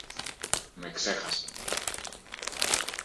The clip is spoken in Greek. Με ξέχασαν